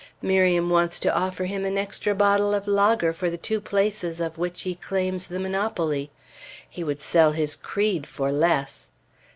Miriam wants to offer him an extra bottle of lager for the two places of which he claims the monopoly. He would sell his creed for less.